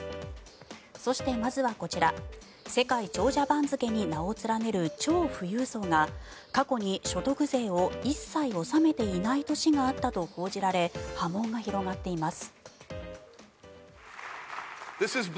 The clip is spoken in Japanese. そして、まずはこちら世界長者番付に名を連ねる超富裕層が過去に所得税を一切納めていない年があったと報じられ波紋が広がっています。